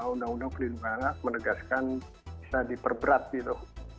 undang undang pelindungan menegaskan bisa diperberat gitu